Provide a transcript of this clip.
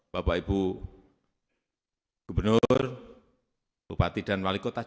bapak ibu gubernur bupati dan wali kota